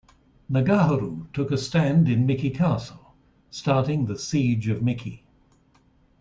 Nagaharu took a stand in Miki Castle, starting the Siege of Miki.